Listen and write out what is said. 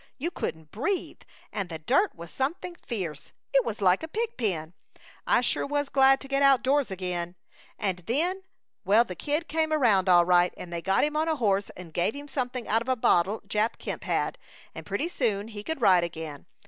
You couldn't breathe, and the dirt was something fierce. It was like a pigpen. I sure was glad to get outdoors again. And then well, the Kid came around all right and they got him on a horse and gave him something out of a bottle Jap Kemp had, and pretty soon he could ride again.